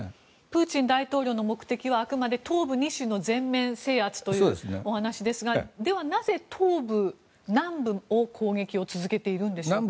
プーチン大統領の目的はあくまで東部２州の全面制圧というお話ですが、ではなぜ南部の攻撃を続けているんでしょうか。